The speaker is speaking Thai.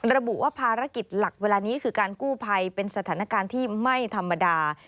ระบุว่าภารกิจหลักเวลานี้คือการกู้ภัยเป็นสถานการณ์ที่ไม่ธรรมดา